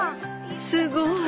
すごい。